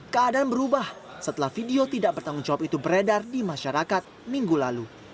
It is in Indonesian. keadaan berubah setelah video tidak bertanggung jawab itu beredar di masyarakat minggu lalu